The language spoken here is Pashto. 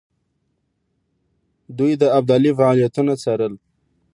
دوی د ابدالي فعالیتونه څارل.